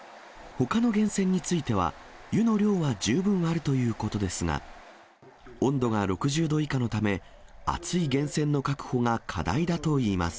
ほかの源泉については、湯の量は十分あるということですが、温度が６０度以下のため、熱い源泉の確保が課題だといいます。